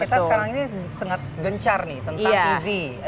kita sekarang ini sangat gencar nih tentang ev electric vehicle